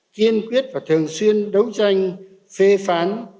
kiên quyết và thường xuyên đấu tranh phê phán